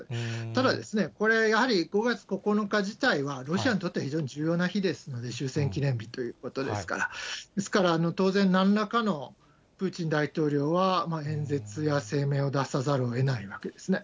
ただですね、これ、やはり５月９日自体はロシアにとっては非常に重要な日ですので、戦勝記念日ということですから、ですから、当然、なんらかのプーチン大統領は演説や声明を出さざるをえないわけですね。